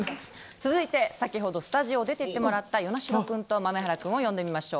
続いて先ほどスタジオを出て行ってもらった與那城君と豆原君を呼んでみましょう。